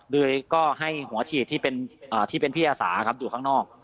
โดยก็ให้หัวฉีดที่เป็นพี่อาสาครับอยู่ข้างนอก